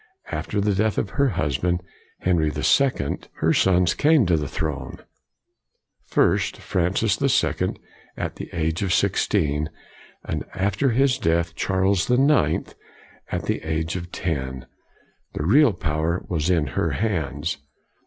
After the death of her husband, Henry the Second, her sons came to the throne: first Francis the Sec ond, at the age of sixteen; and after his death, Charles the Ninth, at the age of ten. The real power was in her hands.